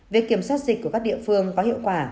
việc kiểm soát dịch của các địa phương có hiệu quả